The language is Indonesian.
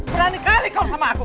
berani kali kau sama aku